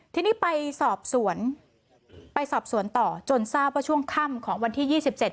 ทีนี้ไปสอบสวนไปสอบสวนต่อจนทราบว่าช่วงค่ำของวันที่ยี่สิบเจ็ด